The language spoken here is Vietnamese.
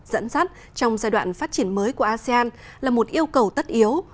dẫn dắt trong giai đoạn phát triển mới của asean là một yêu cầu tất yếu